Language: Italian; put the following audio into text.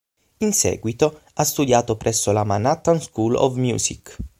In seguito, ha studiato presso la Manhattan School of Music.